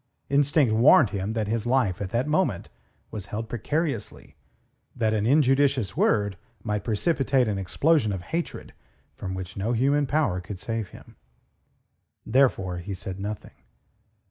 Instinct warned him that his life at that moment was held precariously, that an injudicious word might precipitate an explosion of hatred from which no human power could save him. Therefore he said nothing.